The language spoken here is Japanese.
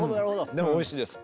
でもおいしいです。